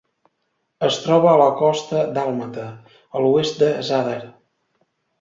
Es troba a la costa dàlmata, a l'oest de Zadar.